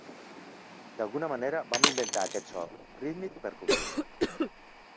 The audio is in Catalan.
D'alguna manera, vam inventar aquest so rítmic percussiu.